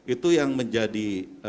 itu yang menjadi